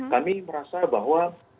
kami merasa bahwa